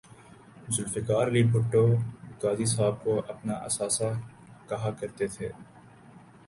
ذوالفقار علی بھٹو قاضی صاحب کو اپنا اثاثہ کہا کر تے تھے